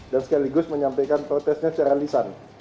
dan sekaligus menyampaikan protesnya secara lisan